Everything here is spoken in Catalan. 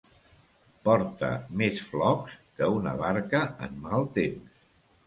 Porta més flocs que una barca en mal temps.